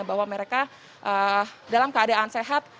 bahwa mereka dalam keadaan sehat